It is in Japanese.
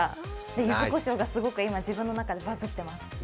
ゆずこしょうが今、すごく自分の中でバズってます。